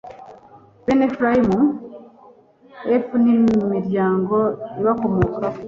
Bene Efurayimu f n imiryango ibakomokaho